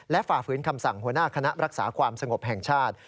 ฝ่าฝืนคำสั่งหัวหน้าคณะรักษาความสงบแห่งชาติ